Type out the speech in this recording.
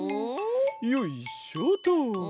よいしょと。